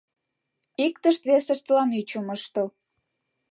Иктышт-весыштлан ӱчым ыштыл